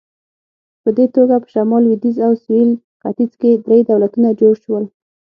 په دې توګه په شمال، لوېدیځ او سویل ختیځ کې درې دولتونه جوړ شول.